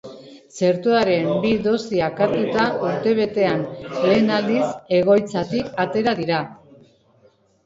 Txertoaren bi dosiak hartuta, urtebetean lehen aldiz, egoitzatik atera dira.